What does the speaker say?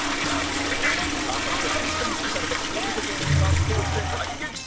あさって３時間スペシャルで男芸人がスポーツで大激戦